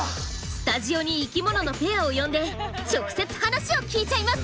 スタジオに生きもののペアを呼んで直接話を聞いちゃいます！